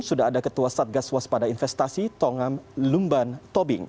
sudah ada ketua satgas waspada investasi tongam lumban tobing